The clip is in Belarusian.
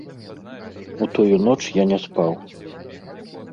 У тую ноч я не спаў.